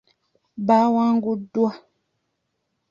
Baawanguddwa.